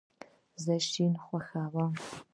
زه شین خوښوم